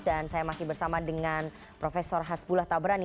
dan saya masih bersama dengan profesor hasbullah tabrani